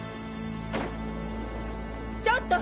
ちょっと！